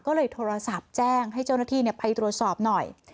ก็เลยโทรศัพท์แจ้งให้เจ้าหน้าที่ไปตรวจสอบหน่อย